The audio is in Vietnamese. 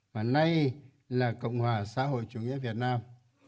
và nay là cộng hòa xã hội chủ nghĩa việt nam